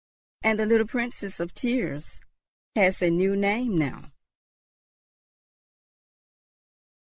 And the little "Princess of tears" has a new name now.